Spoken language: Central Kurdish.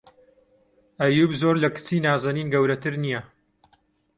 ئەییووب زۆر لە کچی نازەنین گەورەتر نییە.